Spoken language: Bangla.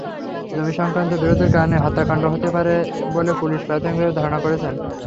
জমিসংক্রান্ত বিরোধের কারণেই হত্যাকাণ্ড হতে পারে বলে পুলিশ প্রাথমিকভাবে ধারণা করছে।